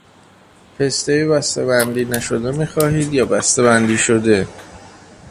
پستهی بستهبندی نشده میخواهید یا بستهبندی شده؟